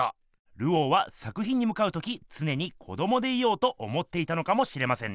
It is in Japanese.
ルオーは作品にむかうときつねに子どもでいようと思っていたのかもしれませんね。